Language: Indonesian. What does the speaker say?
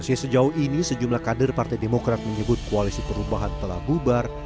sejauh ini sejumlah kader partai demokrat menyebut koalisi perubahan telah bubar